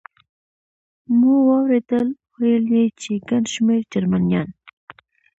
مو واورېدل، ویل یې چې ګڼ شمېر جرمنیان.